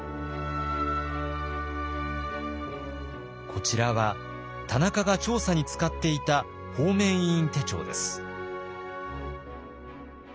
こちらは田中が調査に使っていた方面委員手帳です。